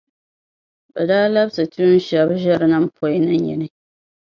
Bɛ daa labsi tuun’ shεba ʒirinim’ poi ni nyini.